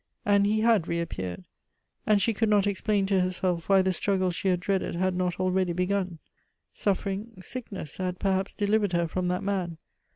And he had reappeared; and she could not explain to herself why the struggle she had dreaded had not already begun. Suffering, sickness, had perhaps delivered her from that man.